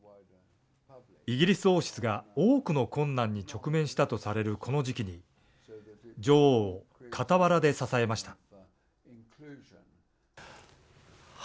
イギリス王室が多くの困難に直面したとされるこの時期に女王を傍らで支えました。